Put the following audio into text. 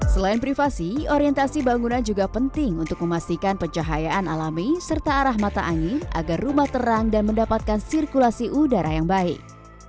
selain privasi orientasi bangunan juga penting untuk memastikan pencahayaan alami serta arah mata angin agar rumah terang dan mendapatkan sirkulasi udara yang baik